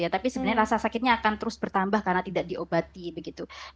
tapi sebenarnya rasa sakitnya akan terus bertambah karena tidak diobati begitu